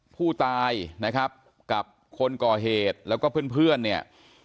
ผู้ตายนะครับกับคนก่อเหตุแล้วก็เพื่อนเนี่ย